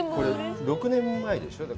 ６年前でしょう？